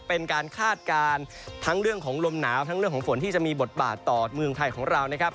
เป็นการคาดการณ์ทั้งเรื่องของลมหนาวทั้งเรื่องของฝนที่จะมีบทบาทต่อเมืองไทยของเรานะครับ